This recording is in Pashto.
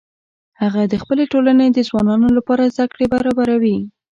هغه د خپلې ټولنې د ځوانانو لپاره زده کړې برابروي